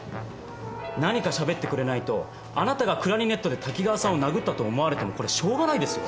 何かしゃべってくれないとあなたがクラリネットで滝川さんを殴ったと思われてもこれしょうがないですよ。